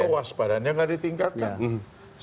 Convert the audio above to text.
kewaspadaannya tidak ditingkatkan